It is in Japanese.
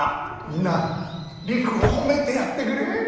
みんなりくを褒めてやってくれ。